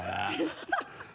ハハハ